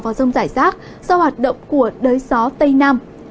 vào rông giải rác do hoạt động của đới gió tây nam